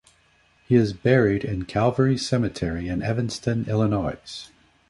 He is buried in Calvary Cemetery in Evanston, Illinois.